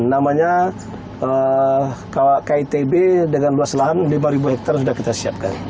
namanya kitb dengan luas lahan lima hektare sudah kita siapkan